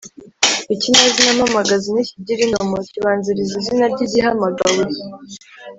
Ikinyazina mpamagazi ntikigira indomo, kibanziriza izina ry’igihamagawe